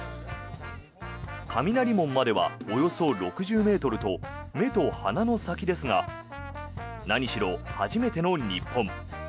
雷門まではおよそ６０ｍと目と鼻の先ですが何しろ初めての日本。